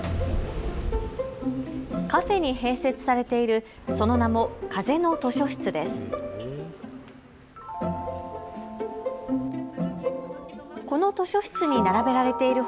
カフェに併設されているその名も風の図書室です。